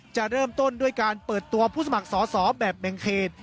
จะเริ่มต้นด้วยการเปิดตัวผู้สมัครสอสอแบบแบ่งเขต